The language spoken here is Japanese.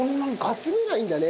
集めないんだね。